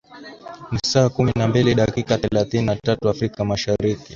ni saa kumi na mbili dakika thelathini na tatu afrika mashariki